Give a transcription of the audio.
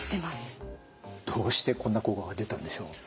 どうしてこんな効果が出たんでしょう？